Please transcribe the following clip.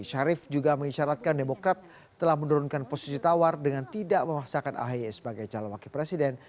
syarif juga mengisyaratkan demokrat telah menurunkan posisi tawar dengan tidak memaksakan ahy sebagai calon wakil presiden